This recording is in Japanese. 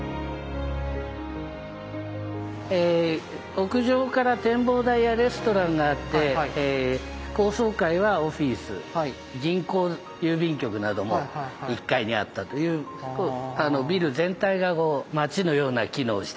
屋上から展望台やレストランがあって高層階はオフィス銀行郵便局なども１階にあったというビル全体がこう街のような機能をしてたビルですね。